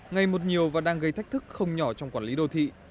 ngày một nhiều và đang gây thách thức không nhỏ trong quản lý đô thị